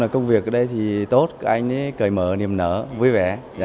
công việc ở đây thì tốt anh ấy cởi mở niềm nở vui vẻ